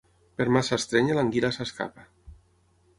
Per massa estrènyer l'anguila s'escapa.